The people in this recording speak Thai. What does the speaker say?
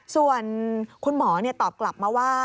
ส่วนคุณหมอตอบกลับมาว่า